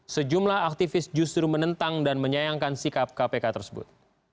sejumlah aktivis justru menentang dan menyayangkan sikap kpk tersebut